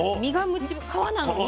皮なのに？